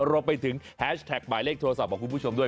รวมไปถึงแฮชแท็กหมายเลขโทรศัพท์ของคุณผู้ชมด้วย